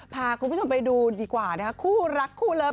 พาคุณผู้ชมไปดูดีกว่านะคะคู่รักคู่เลิฟ